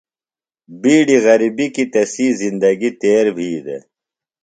بِیڈیۡ غرِبیۡ کیۡ تسی زندگی تیر بھی دےۡ۔